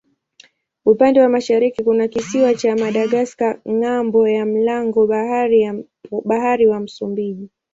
Upande wa mashariki kuna kisiwa cha Madagaska ng'ambo ya mlango bahari wa Msumbiji.